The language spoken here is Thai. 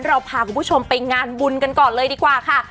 เราพาคุณผู้ชมไปงานบุญกันก่อนเลยดีกว่าค่ะ